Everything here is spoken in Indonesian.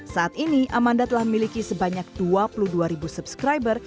saat ini amanda telah memiliki sebanyak dua puluh dua ribu subscriber